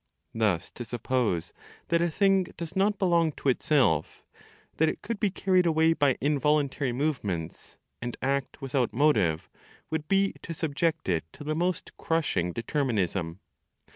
Thus to suppose that a thing does not belong to itself, that it could be carried away by involuntary movements, and act without motive, would be to subject it to the most crushing determinism.